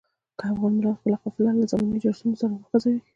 که افغان ملت خپله قافله له زماني جرسونو سره وخوځوي.